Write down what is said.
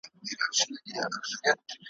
له هر مذهب له هر پیمانه ګوښه `